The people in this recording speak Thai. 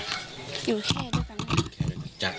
อยู่แค่ด้วยกันค่ะ